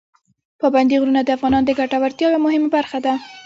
پابندي غرونه د افغانانو د ګټورتیا یوه مهمه برخه ده.